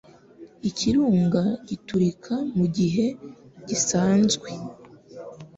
Ikirunga giturika mugihe gisanzwe.